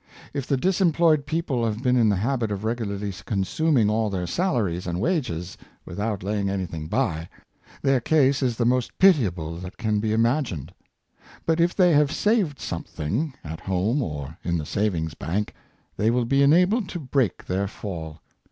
If the disemployed people have been in the habit of regularly comsuming all their salaries and wages, without laying anything by, their case is the most pitiable that can be imagined. But if they have saved something, at home or in the savings bank, they will be enabled to break their fall.